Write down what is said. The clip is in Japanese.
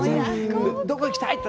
どこ行きたい？って。